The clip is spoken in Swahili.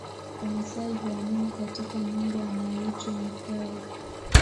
Wamasai huamini katika Mungu anayeitwa Nkai